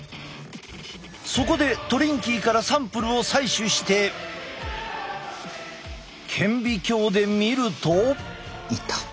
そこでトリンキーからサンプルを採取して顕微鏡で見ると。